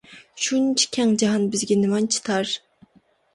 شۇنچە كەڭ جاھان بىزگە نېمانچە تار!